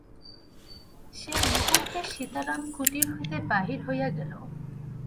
সেই মুহূর্তে সীতারাম কুটির হইতে বাহির হইয়া গেল।